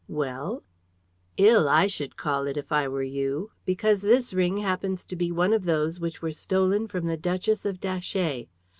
"Well?" "Ill, I should call it, if I were you, because this ring happens to be one of those which were stolen from the Duchess of Datchet.